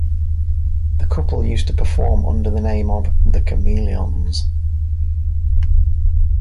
The couple used to perform under the name of The Cameleonz.